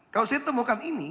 kalau saya temukan ini